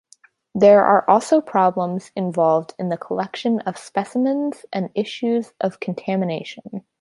There are also problems involved in the collection of specimens and issues of contamination.